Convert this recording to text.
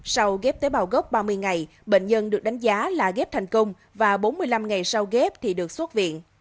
sau ghép tế bào gốc ba mươi ngày bệnh nhân được đánh giá là ghép thành công và bốn mươi năm ngày sau ghép thì được xuất viện